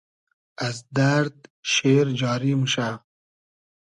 از دئرد شېر جاری موشۂ